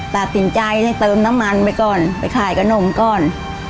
ตัดสินใจให้เติมน้ำมันไปก่อนไปขายขนมก่อน